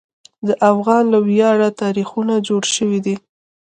د افغان له ویاړه تاریخونه جوړ شوي دي.